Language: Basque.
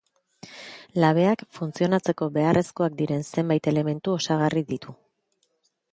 Labeak, funtzionatzeko beharrezkoak diren zenbait elementu osagarri ditu.